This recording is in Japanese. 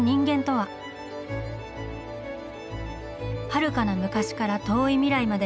はるかな昔から遠い未来まで。